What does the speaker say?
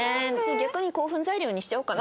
逆に興奮材料にしちゃおうかな。